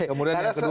kemudian yang kedua